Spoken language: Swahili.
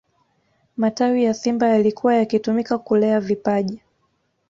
matawi ya simba yalikuwa yakitumika kulea vipaji